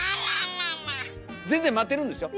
全然待てるんですよ